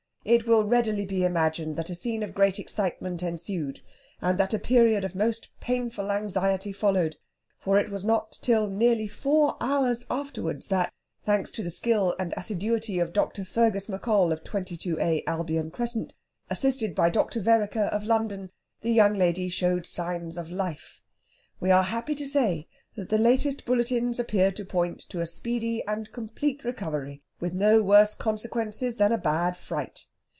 It will readily be imagined that a scene of great excitement ensued, and that a period of most painful anxiety followed, for it was not till nearly four hours afterwards that, thanks to the skill and assiduity of Dr. Fergus Maccoll, of 22A, Albion Crescent, assisted by Dr. Vereker, of London, the young lady showed signs of life. We are happy to say that the latest bulletins appear to point to a speedy and complete recovery, with no worse consequences than a bad fright.